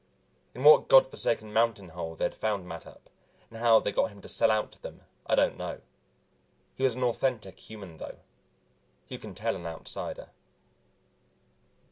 In what god forsaken mountain hole they had found Mattup, and how they got him to sell out to them, I don't know. He was an authentic human, though. You can tell an Outsider.